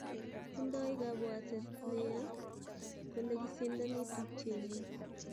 Tindo kabwatet ne yea kole kisindoni tupchet nyi